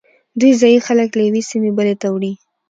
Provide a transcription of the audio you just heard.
دوی ځایی خلک له یوې سیمې بلې ته وړي